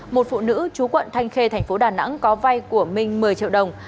một phụ nữ chú quận thanh khê thành phố đà nẵng có vay của minh một mươi triệu đồng